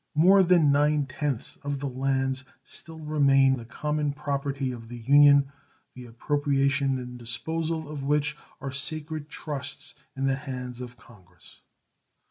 More than nine tenths of the lands still remain the common property of the Union, the appropriation and disposal of which are sacred trusts in the hands of Congress.